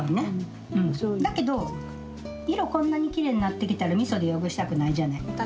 だけど色こんなにきれいになってきたらみそで汚したくないじゃない。